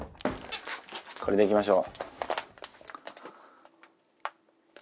これでいきましょう。